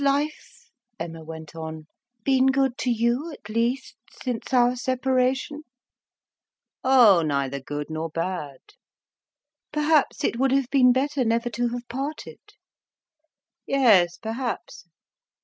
"Has life," Emma went on, "been good to you at least, since our separation?" "Oh, neither good nor bad." "Perhaps it would have been better never to have parted." "Yes, perhaps."